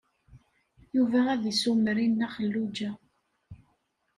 Yuba ad isumer i Nna Xelluǧa.